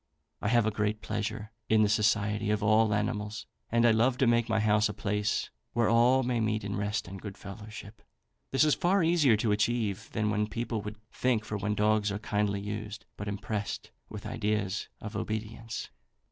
I have a great pleasure in the society of all animals, and I love to make my house a place where all may meet in rest and good fellowship. This is far easier to achieve than people would think for when dogs are kindly used, but impressed with ideas of obedience.